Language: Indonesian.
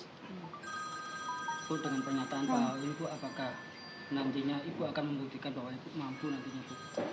ibu dengan pernyataan pak alwi ibu apakah nantinya ibu akan membuktikan bahwa ibu mampu nantinya itu